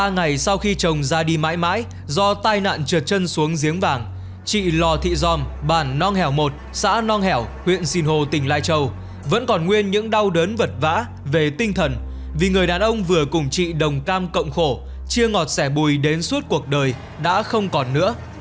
ba ngày sau khi chồng ra đi mãi mãi do tai nạn trượt chân xuống giếng vàng chị lò thị giòm bản nong hẻo một xã nong hẻo huyện sinh hồ tỉnh lai châu vẫn còn nguyên những đau đớn vật vã về tinh thần vì người đàn ông vừa cùng chị đồng cam cộng khổ chia ngọt sẻ bùi đến suốt cuộc đời đã không còn nữa